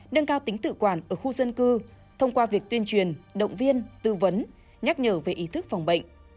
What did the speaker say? nâng cao tính tự quản ở khu dân cư thông qua việc tuyên truyền động viên tư vấn nhắc nhở về ý thức phòng bệnh